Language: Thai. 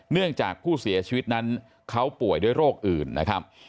เนื่องจากผู้เสียชีวิตนั้นเขาป่วยด้วยโรคอื่นนะครับ